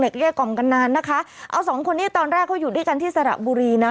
เกลี้ยกล่อมกันนานนะคะเอาสองคนนี้ตอนแรกเขาอยู่ด้วยกันที่สระบุรีนะ